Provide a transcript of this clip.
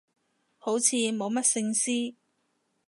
好似冇乜聖詩